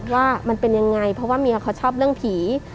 ว่ามันเป็นยังไงเพราะว่าเมียเขาชอบเรื่องผี